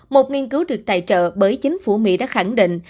một nghiên cứu được tài trợ bởi chính phủ mỹ đã khẳng định